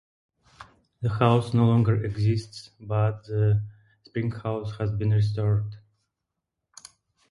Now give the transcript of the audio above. The house no longer exists, but the springhouse has been restored.